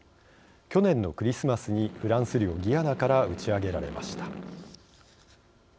去年のクリスマスにフランス領ギアナから打ち上げられました。